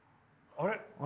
あれ？